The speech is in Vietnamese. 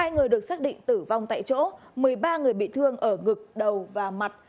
hai người được xác định tử vong tại chỗ một mươi ba người bị thương ở ngực đầu và mặt